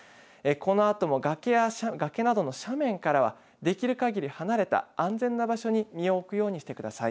このあとも崖などの斜面からはできるかぎり離れた安全な場所に身を置くようにしてください。